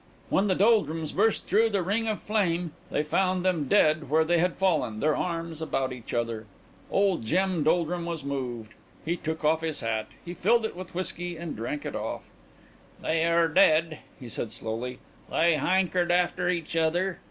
When the Doldrums burst through the ring of flame, they found them dead where they had fallen, their arms about each other. Old Jem Doldrum was moved. He took off his hat. He filled it with whiskey and drank it off. "They air dead," he said slowly, "they hankered after each other.